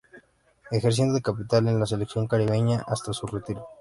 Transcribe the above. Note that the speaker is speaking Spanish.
Ejerciendo de capitán en la selección caribeña hasta su retiro.